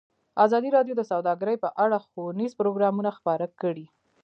ازادي راډیو د سوداګري په اړه ښوونیز پروګرامونه خپاره کړي.